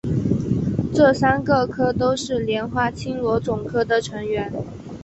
这三个科都是莲花青螺总科的成员。